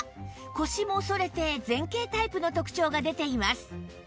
腰も反れて前傾タイプの特徴が出ています